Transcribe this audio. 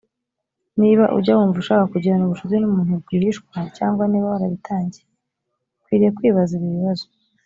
niba ujya wumva ushaka kugirana ubucuti n umuntu rwihishwa cyangwa niba warabitangiye ukwiriye kwibaza ibi bibazo